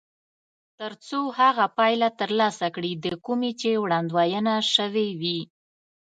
تر څو هغه پایله ترلاسه کړي د کومې چې وړاندوينه شوې وي.